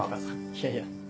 いやいや。